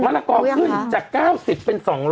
ละกอขึ้นจาก๙๐เป็น๒๐๐